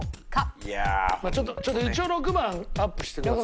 ちょっと一応６番アップしてください。